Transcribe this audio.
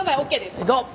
行こう。